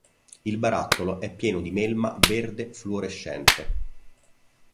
Il barattolo è pieno di melma verde fluorescente.